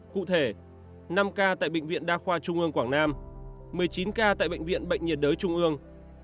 cụ thể năm ca tại bệnh viện đa khoa trung ương quảng nam một mươi chín ca tại bệnh viện bệnh nhiệt đới trung ương